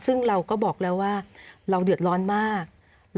ซึ่งเราก็บอกแล้วว่าเราเดือดร้อนมาก